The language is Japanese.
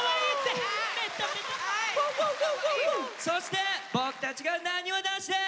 そして僕たちがなにわ男子です！